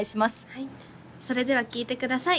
はいそれでは聴いてください